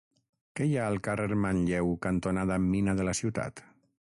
Què hi ha al carrer Manlleu cantonada Mina de la Ciutat?